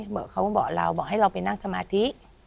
เขาก็บอกเราบอกให้เราไปนั่งสมาธิ